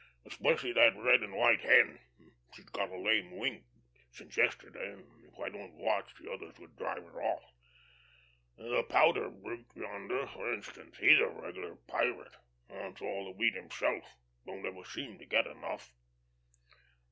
Especially that red and white hen. She's got a lame wing since yesterday, and if I don't watch, the others would drive her off. The pouter brute yonder, for instance. He's a regular pirate. Wants all the wheat himself. Don't ever seem to get enough."